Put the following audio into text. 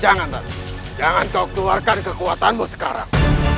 jangan raffi jangan kau keluarkan kekuatanmu sekarang